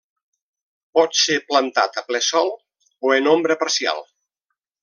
Pot ser plantat a ple Sol o en ombra parcial.